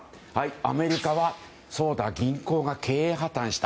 アメリカは銀行が経営破綻した。